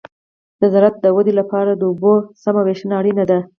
د زراعت د ودې لپاره د اوبو سمه وېش اړین دی.